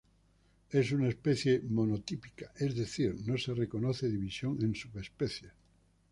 Es una especie monotípica, es decir, no se reconoce división en subespecies.